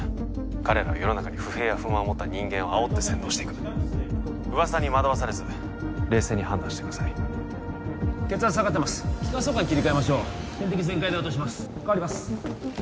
彼らは世の中に不平や不満を持った人間をあおって洗脳していく噂に惑わされず冷静に判断してください血圧下がってます気管挿管に切り替えましょう点滴全開で落とします代わります